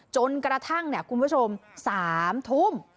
จนกระทั่งคุณผู้ชม๓ทุ่ม